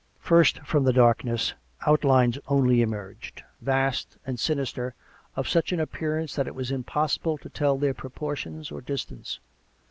First from the darkness outlines only emerged, vast and sinister, of such an appearance that it was impossible to tell their proportions or distances.